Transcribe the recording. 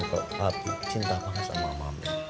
kalau papi cinta banget sama mami